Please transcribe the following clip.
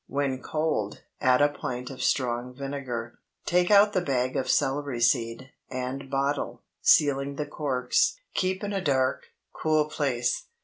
When cold, add a pint of strong vinegar. Take out the bag of celery seed, and bottle, sealing the corks. Keep in a dark, cool place.